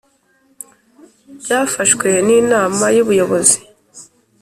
Byafashwe n’ inama y’ubuyobozi